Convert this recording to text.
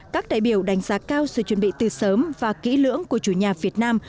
các đại biểu đánh giá cao sự chuẩn bị từ sớm và kỹ lưỡng của chủ nhà việt nam